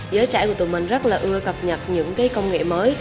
giới trải của tụi mình rất là ưa cập nhật những công nghệ mới